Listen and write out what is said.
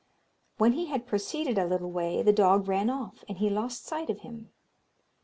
When he had proceeded a little way the dog ran off, and he lost sight of him.